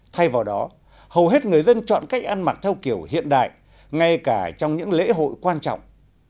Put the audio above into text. thay vào đó hầu hết người dân chọn cách ăn mặc theo kiểu hiện đại ngay cả trong những lễ hội quan trọng